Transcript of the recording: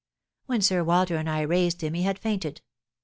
When Sir Walter and I raised him he had fainted.